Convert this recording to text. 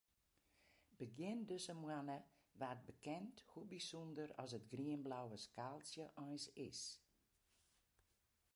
Begjin dizze moanne waard bekend hoe bysûnder as it grienblauwe skaaltsje eins is.